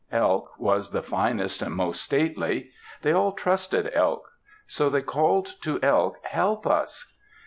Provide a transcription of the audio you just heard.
Elk was the finest and most stately. They all trusted Elk. So they called to Elk, "Help us."